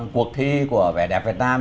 cuộc thi của vẻ đẹp việt nam